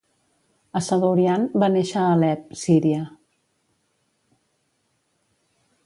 Assadourian va néixer a Alep, Síria.